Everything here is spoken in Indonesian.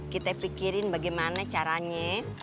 kita pikirin bagaimana caranya